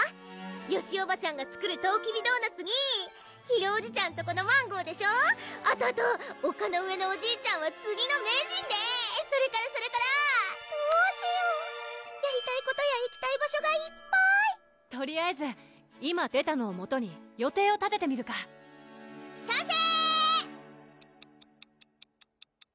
ヨシおばちゃんが作るとうきびドーナツにヒロおじちゃんとこのマンゴーでしょあとあと丘の上のおじいちゃんはつりの名人でそれからそれからどうしようやりたいことや行きたい場所がいっぱいとりあえず今出たのをもとに予定を立ててみるか賛成！